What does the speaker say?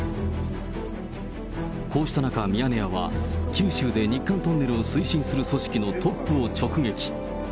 こうした中、ミヤネ屋は九州で日韓トンネルを推進する組織のトップを直撃。